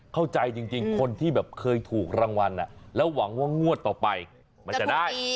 เข้าใจจริงคนที่แบบเคยถูกรางวัลแล้วหวังว่างวดต่อไปมันจะได้